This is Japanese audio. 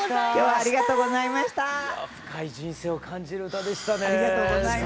ありがとうございます。